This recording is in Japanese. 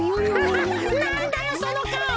ハハなんだよそのかお！